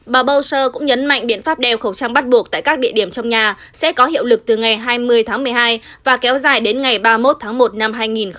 bà boucher cũng nhấn mạnh biện pháp đeo khẩu trang bắt buộc tại các địa điểm trong nhà sẽ có hiệu lực từ ngày hai mươi tháng một mươi hai và kéo dài đến ngày ba mươi một tháng một năm hai nghìn hai mươi